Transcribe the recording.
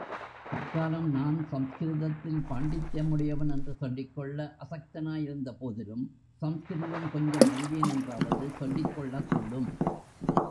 தற்காலம் நான் சம்ஸ்கிருதத்தில் பாண்டித்யமுடையவன் என்று சொல்லிக்கொள்ள அசக்தனாயிருந்தபோதிலும், சம்ஸ்கிருதம் கொஞ்சம் அறிவேன் என்றாவது சொல்லிக் கொள்ளக்கூடும்.